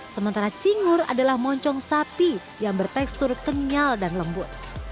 sementara cingur adalah moncong sapi yang bertekstur kenyal dan lembut